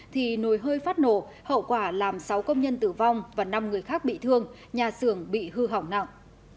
thì nồi hơi phát nổ hậu quả làm sáu công nhân tử vong và năm người khác bị thương nhà xưởng bị hư hỏng nặng